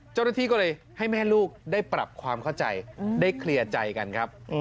เจ้าหน้าที่ก็เลยให้แม่ลูกได้ปรับความเข้าใจได้เคลียร์ใจกันครับ